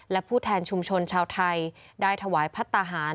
และผู้แทนชุมชนชาวไทยได้ถวายพัฒนาหาร